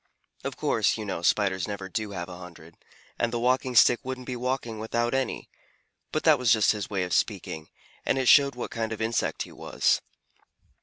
Of course, you know, Spiders never do have a hundred, and a Walking Stick wouldn't be walking without any, but that was just his way of speaking, and it showed what kind of insect he was.